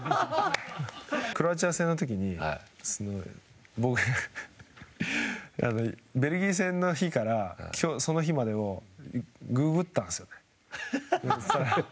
クロアチア戦の時にベルギー戦の日からその日までをググったんですよね。